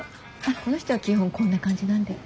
この人は基本こんな感じなんで。